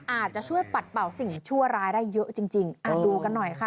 อาจจะช่วยปัดเป่าสิ่งชั่วร้ายได้เยอะจริงจริงอ่าดูกันหน่อยค่ะ